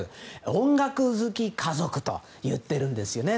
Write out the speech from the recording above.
音楽好き家族と言っているんですね。